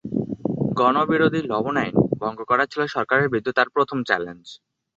গণবিরোধী ‘লবণ আইন’ ভঙ্গ করা ছিল সরকারের বিরুদ্ধে তাঁর প্রথম চ্যালেঞ্জ।